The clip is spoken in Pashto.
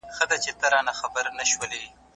منډېلا په خپل صبر سره خپل دښمن ته ماتې ورکړه.